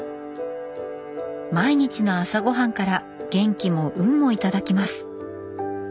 毎日の朝ごはんから元気も運も頂きます。